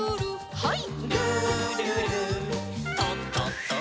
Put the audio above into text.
はい。